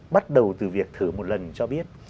bắt đầu từ việc thử một lần cho biết